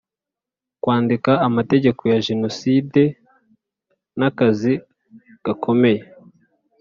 kwandika amateka ya jenoside nakazi gakomeye